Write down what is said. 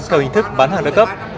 theo hình thức bán hàng đa cấp